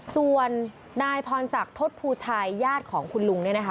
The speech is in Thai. ส่วนนายพรศักดิ์ทศภูชัยญาติของคุณลุงเนี่ยนะคะ